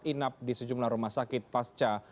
inap di sejumlah rumah sakit pasca